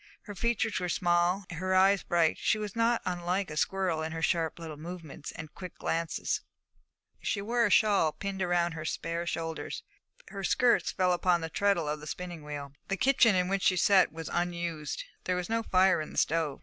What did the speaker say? Her features were small, her eyes bright; she was not unlike a squirrel in her sharp little movements and quick glances. She wore a small shawl pinned around her spare shoulders. Her skirts fell upon the treadle of the spinning wheel. The kitchen in which she sat was unused; there was no fire in the stove.